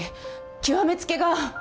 極め付けが。